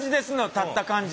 立った感じ。